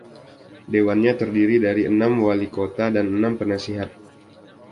Dewannya terdiri dari enam wali kota dan enam penasihat.